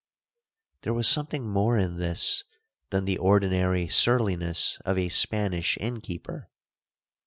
'There was something more in this than the ordinary surliness of a Spanish innkeeper.